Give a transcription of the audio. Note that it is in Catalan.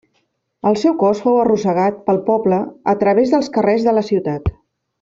El seu cos fou arrossegat pel poble a través dels carrers de la ciutat.